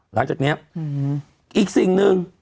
หลังจากนี้อีกสิ่งหนึ่ง